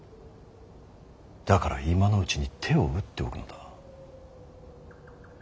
だから今のうちに手を打っておくのだ。